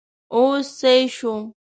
اوس سيي شو!